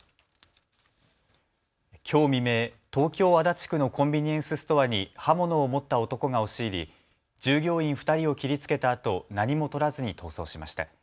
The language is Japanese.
きょう未明、東京足立区のコンビニエンスストアに刃物を持った男が押し入り従業員２人を切りつけたあと何もとらずに逃走しました。